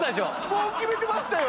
もう決めてましたよ！